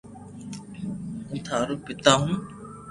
ھون ٿارو پيتا ھون